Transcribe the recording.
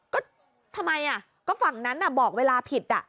ก็ทำไมก็ฝั่งนั้นบอกเวลาผิด